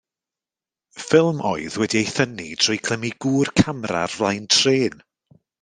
Ffilm oedd wedi ei thynnu trwy glymu gŵr camera ar flaen trên.